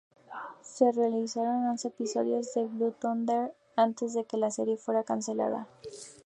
Se realizaron once episodios de "Blue Thunder" antes de que la serie fuera cancelada.